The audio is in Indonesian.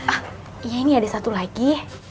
ah iya ini ada satu lagi